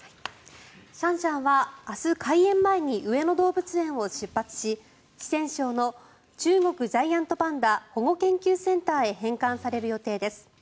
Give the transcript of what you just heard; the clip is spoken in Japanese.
シャンシャンは明日、開園前に上野動物園を出発し四川省の中国ジャイアントパンダ保護研究センターへ返還される予定です。